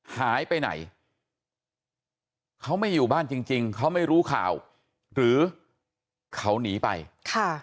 หายไปไหนเขาไม่อยู่บ้านจริงจริงเขาไม่รู้ข่าวหรือเขาหนีไปค่ะ